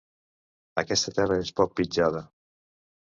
Aquesta terra és poc pitjada.